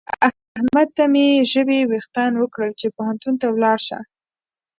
احمد ته مې ژبې وېښتان وکړل چې پوهنتون ته ولاړ شه.